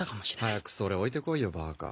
早くそれ置いて来いよバカ。